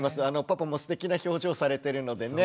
パパもすてきな表情されてるのでね